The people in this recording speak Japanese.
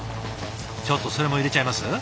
ちょっとそれも入れちゃいます？